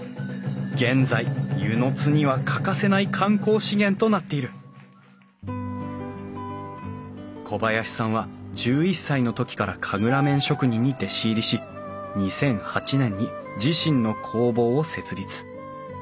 現在温泉津には欠かせない観光資源となっている小林さんは１１歳の時から神楽面職人に弟子入りし２００８年に自身の工房を設立。